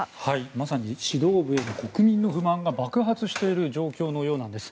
まさに指導部への国民の不満が爆発している状況なんです。